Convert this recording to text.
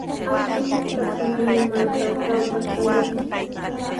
Achka qutrakunami markaatrawqa kallan.